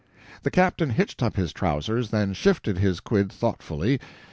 The captain hitched up his trousers, then shifted his quid thoughtfully.